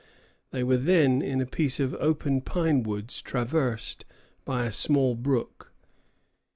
They were then in a piece of open pine woods traversed by a small brook.